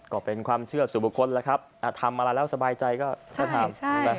ก็เป็นความเชื่อสู่บุคคลแล้วครับอ่าทำมาแล้วสบายใจก็ใช่ใช่